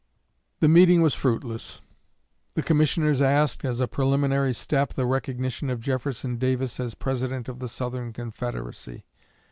The meeting was fruitless. The commissioners asked, as a preliminary step, the recognition of Jefferson Davis as President of the Southern Confederacy.